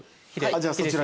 じゃあそちらで。